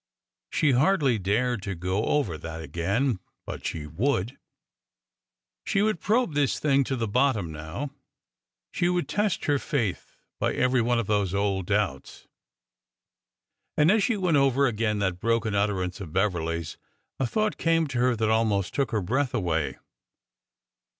She hardly dared to go over that again. ... But she would ! She would probe this thing to the bottom now. She would test her faith by every one of those old doubts. And as she went over again that broken utter ance of Beverly's, a thought came to her that almost took her breath away.